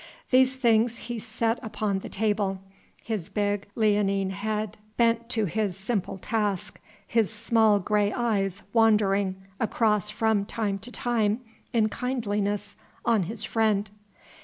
These things he set upon the table, his big leonine head bent to his simple task, his small grey eyes wandering across from time to time in kindliness on his friend.